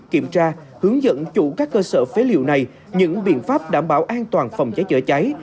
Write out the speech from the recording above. kiểm tra hướng dẫn chủ các cơ sở phế liệu này những biện pháp đảm bảo an toàn phòng cháy chữa cháy